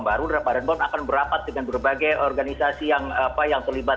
baru badan pom akan berapat dengan berbagai organisasi yang terlibat